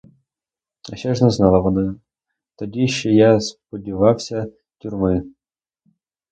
А ще ж не знала вона: тоді ще я сподівався тюрми.